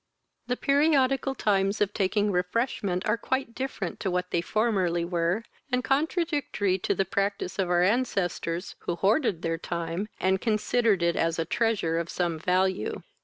The periodical times of taking refreshment are quite different to what they formerly were, and contradictory to the practice of our ancestors, who hoarded their time, and considered it as a treasure of some value.